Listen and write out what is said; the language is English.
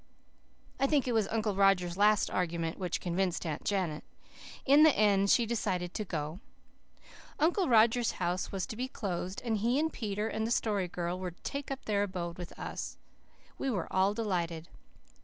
I think it was Uncle Roger's last argument which convinced Aunt Janet. In the end she decided to go. Uncle Roger's house was to be closed, and he and Peter and the Story Girl were to take up their abode with us. We were all delighted.